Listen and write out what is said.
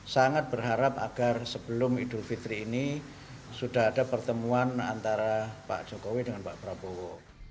sangat berharap agar sebelum idul fitri ini sudah ada pertemuan antara pak jokowi dengan pak prabowo